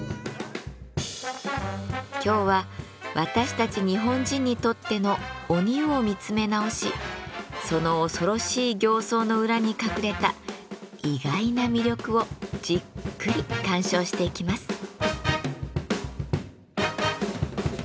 今日は私たち日本人にとっての鬼を見つめ直しその恐ろしい形相の裏に隠れた意外な魅力をじっくり鑑賞していきます。